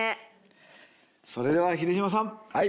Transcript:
それでは秀島さん